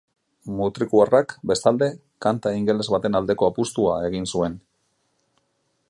Mutrikuarrak, bestalde, kanta ingeles baten aldeko apustua egin zuen.